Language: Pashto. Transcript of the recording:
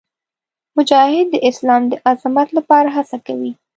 مجاهد د اسلام د عظمت لپاره هڅه کوي.